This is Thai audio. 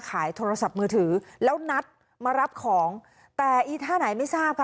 ขายโทรศัพท์มือถือแล้วนัดมารับของแต่อีท่าไหนไม่ทราบค่ะ